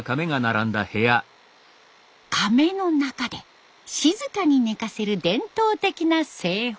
かめの中で静かに寝かせる伝統的な製法。